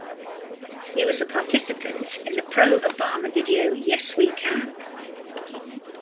He was a participant in the pro-Obama video, "Yes We Can".